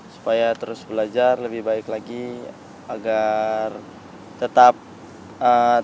supaya terus belajar lebih baik lagi agar tetap sehat